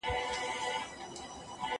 ټول رنځونه د ژوند په دوران کي وي.